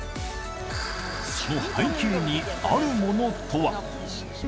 その背景にあるものとは。